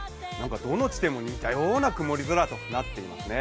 どの地点も似たような曇り空となっていますね。